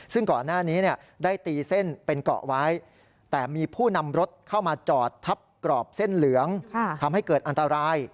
ซึ่งก่อนหน้านี้ได้ตีเส้นเป็นเกาะไว้แต่มีผู้นำรถเข้ามาจอดทับกรอบเส้นเหลืองทำให้เกิดอันตราย